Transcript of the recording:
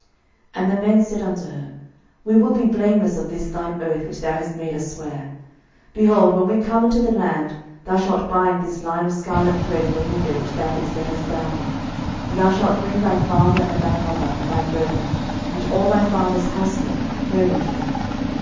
06:002:017 And the men said unto her, We will be blameless of this thine oath which thou hast made us swear. 06:002:018 Behold, when we come into the land, thou shalt bind this line of scarlet thread in the window which thou didst let us down by: and thou shalt bring thy father, and thy mother, and thy brethren, and all thy father's household, home unto thee.